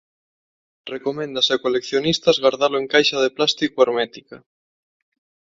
Recoméndase a coleccionistas gardalo en caixa de plástico hermética.